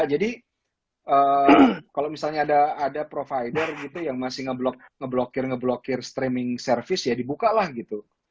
jadi kalau misalnya ada provider gitu yang masih ngeblokir ngeblokir streaming service ya dibuka lah gitu